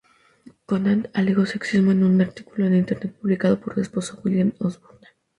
Conant alegó sexismo en un artículo en internet publicado por su esposo, William Osbourne.